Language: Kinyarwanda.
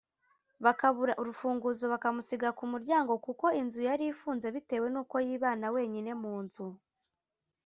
bakabura urufunguzo bakamusiga ku muryango kuko inzu yari ifunze bitewe n’uko yibana wenyine mu nzu